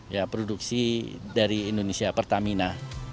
ya produksi dari indonesia pertamina